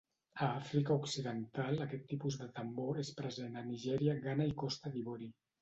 A Àfrica Occidental aquest tipus de tambor és present a Nigèria, Ghana i Costa d'Ivori.